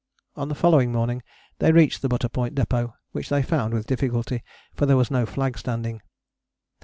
On the following morning they reached the Butter Point Depôt, which they found with difficulty, for there was no flag standing.